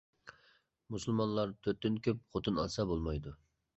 مۇسۇلمانلار تۆتتىن كۆپ، خوتۇن ئالسا بولمايدۇ.